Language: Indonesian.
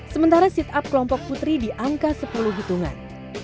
sementara sit up kelompok putri di angka sepuluh hitungan